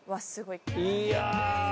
いや！